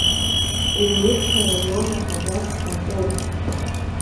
Гәылрыԥшь араион ахадас дҟаҵоуп…